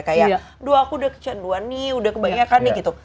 kayak aduh aku udah kecanduan nih udah kebanyakan nih gitu